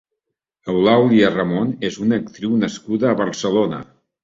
Eulàlia Ramon és una actriu nascuda a Barcelona.